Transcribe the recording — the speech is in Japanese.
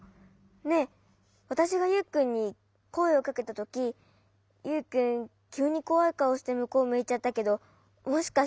ねえわたしがユウくんにこえをかけたときユウくんきゅうにこわいかおしてむこうむいちゃったけどもしかして。